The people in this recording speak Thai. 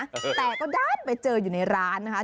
แต่ก็ด้านไปเจออยู่ในร้านนะคะ